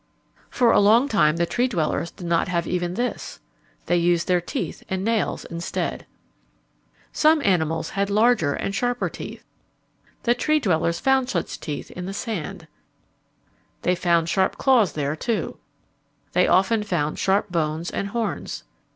For a long time the Tree dwellers did not have even this. They used their teeth and nails instead. [Illustration: An antler used as a wedge] Some animals had larger and sharper teeth. The Tree dwellers found such teeth in the sand. They found sharp claws there, too. They often found sharp bones and horns.